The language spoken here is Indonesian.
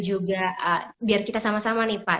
juga biar kita sama sama nih pak